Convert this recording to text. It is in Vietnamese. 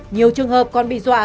nhiều trường hợp còn bị dọa